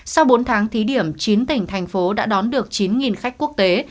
sau bốn tháng thí điểm chín tỉnh thành phố đã đón được chín khách quốc tế